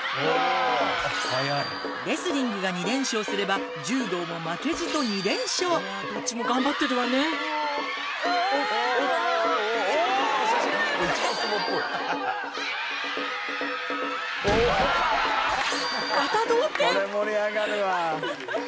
レスリングが２連勝すれば柔道も負けじと２連勝どっちも頑張ってるわねまた同点！